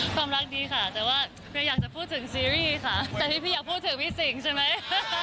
ความรักดีค่ะแต่ว่าคืออยากจะพูดถึงซีรีส์ค่ะแต่ที่พี่อยากพูดถึงพี่สิงใช่ไหม